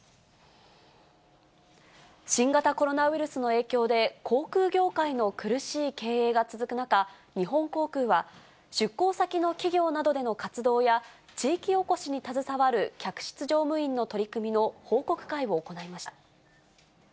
新型コロナウイルスの影響で、航空業界の苦しい経営が続く中、日本航空は出向先の企業などでの活動や、地域おこしに携わる客室乗務員の取り組みの報告会を行いました。